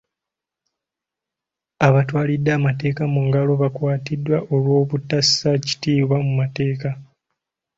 Abaatwalidde amateeka mu ngalo bakwatiddwa olw'obutassa kitiibwa mu mateeka.